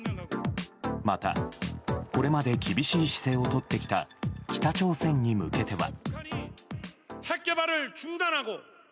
また、これまで厳しい姿勢をとってきた北朝鮮に向けては。